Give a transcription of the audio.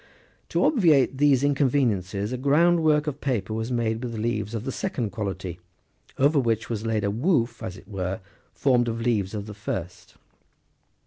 To obviate these inconveniences, a groundwork of paper was made with leaves of the second quality, over which was laid a woof, as it were, formed of leaves of the first.